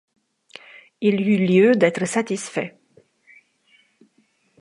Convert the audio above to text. Il eut lieu d’être satisfait.